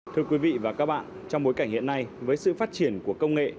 thưa quý vị và các bạn trong bối cảnh hiện nay với sự phát triển của công nghệ